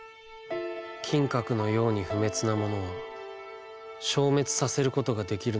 「金閣のように不滅なものは消滅させることができるのだ」。